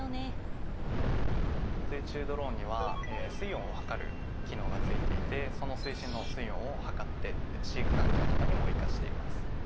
水中ドローンには水温を測る機能がついていてその水深の水温を測って飼育環境とかにも生かしています。